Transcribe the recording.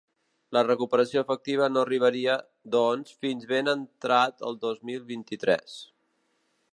La recuperació efectiva no arribaria, doncs, fins ben entrat el dos mil vint-i-tres.